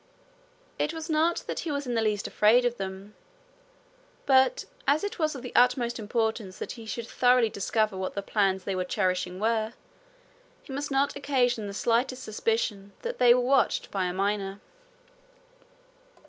It was not that he was in the least afraid of them, but, as it was of the utmost importance that he should thoroughly discover what the plans they were cherishing were, he must not occasion the slightest suspicion that they were watched by a miner.